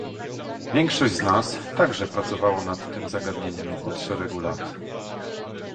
Większość z nas także pracowało nad tym zagadnieniem od szeregu lat